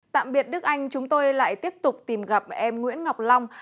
tạm biệt đức anh chúng tôi lại tiếp tục tìm gặp em nguyễn ngọc long